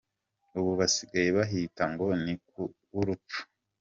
Ubu basigaye bahita ngo ni ‘ku w’urupfu’.